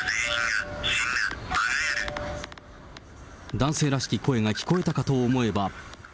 男性らしき声が聞こえたかと思えば。